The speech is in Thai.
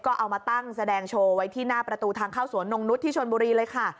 ก็เอามาตั้งแสดงโชว์ไว้ที่หน้าประตูทางเข้าสวนนงนุษย์ที่ชนบุรีเลยค่ะ